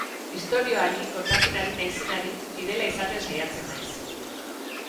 Istorioari, kontatzen ari naizenari, fidela izaten saiatzen naiz.